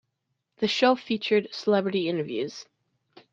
The show featured celebrity interviews.